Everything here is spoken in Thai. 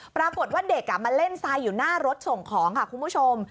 ปรากฏว่าเด็กมาเล่นทรายอยู่หน้ารถส่งของค่ะคุณผู้ชม